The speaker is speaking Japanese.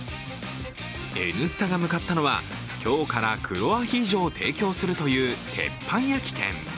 「Ｎスタ」が向かったのは、今日から黒アヒージョを提供するという鉄板焼き店。